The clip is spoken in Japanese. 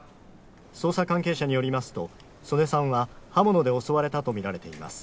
捜査関係者によりますと、曾根さんは刃物で襲われたとみられています。